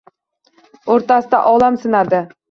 O’rtasida olam sinadi.